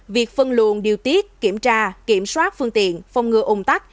việc phân luồn điều tiết kiểm tra kiểm soát phương tiện phong ngừa ủng tác